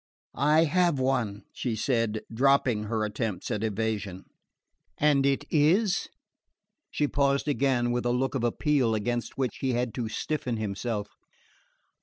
"I have one," she said, dropping her attempts at evasion. "And it is ?" She paused again, with a look of appeal against which he had to stiffen himself.